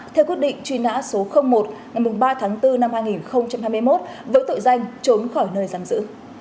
theo quyết định truy nã số một ngày ba tháng bốn năm hai nghìn hai mươi một với tội danh trốn khỏi nơi giam giữ